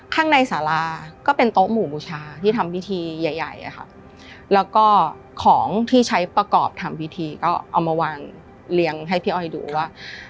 ข้างในสาราก็เป็นโต๊ะหมู่บูชาที่ทำพิธีใหญ่ใหญ่อะค่ะแล้วก็ของที่ใช้ประกอบทำพิธีก็เอามาวางเลี้ยงให้พี่อ้อยดูว่า